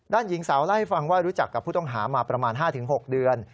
หญิงสาวเล่าให้ฟังว่ารู้จักกับผู้ต้องหามาประมาณ๕๖เดือน